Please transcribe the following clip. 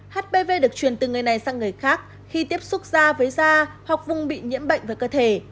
hpv được truyền từ người này sang người khác khi tiếp xúc da với da hoặc vùng bị nhiễm bệnh với cơ thể